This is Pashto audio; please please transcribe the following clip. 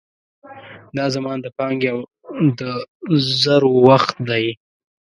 دا زمان د پانګې او د زرو وخت دی.